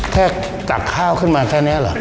ตักข้าวขึ้นมาแค่นี้เหรอ